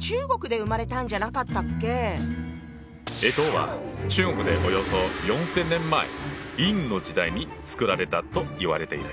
干支は中国でおよそ４，０００年前殷の時代に作られたといわれている。